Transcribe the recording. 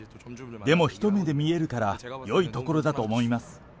でも一目で見えるから、よい所だと思います。